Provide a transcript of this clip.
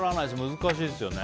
難しいですよね。